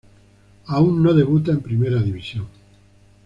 Aún no debuta en Primera División.